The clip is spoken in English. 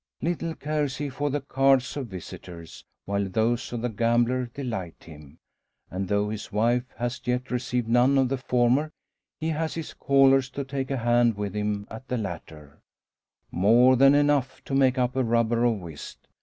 Little cares he for the cards of visitors, while those of the gambler delight him; and though his wife has yet received none of the former, he has his callers to take a hand with him at the latter more than enough to make up a rubber of whist.